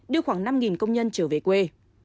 đưa khoảng năm công nhân trở về quê